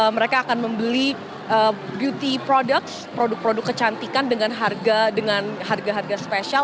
mereka akan membeli beauty products produk produk kecantikan dengan harga spesial